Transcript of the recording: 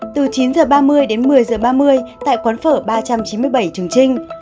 từ chín h ba mươi đến một mươi h ba mươi tại quán phở ba trăm chín mươi bảy trường trinh